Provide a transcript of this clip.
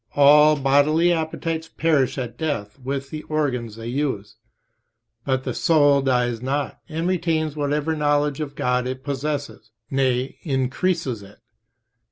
All bodily appetites perish at death with the organs they use, but the soul dies not, and retains whatever knowledge of God it possesses; nay, increases it.